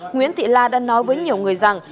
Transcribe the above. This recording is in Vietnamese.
nguyễn thị la đã nói với nhiều người rằng